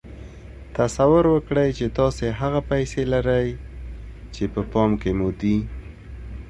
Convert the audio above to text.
تصور وکړئ چې تاسې هغه پيسې لرئ چې په پام کې مو دي.